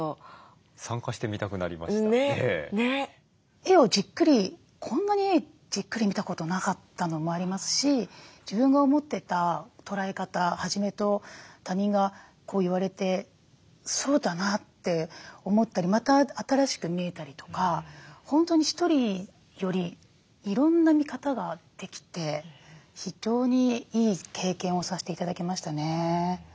絵をじっくりこんなにじっくり見たことなかったのもありますし自分が思ってた捉え方はじめと他人が言われてそうだなって思ったりまた新しく見えたりとか本当に１人よりいろんな見方ができて非常にいい経験をさせて頂きましたね。